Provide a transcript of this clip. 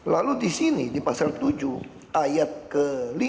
lalu disini di pasar tujuh ayat ke lima